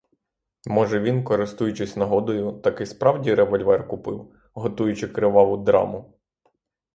Може, він, користуючись нагодою, таки справді револьвер купив, готуючи криваву драму.